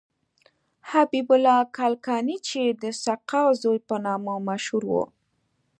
حبیب الله کلکانی چې د سقاو زوی په نامه مشهور و.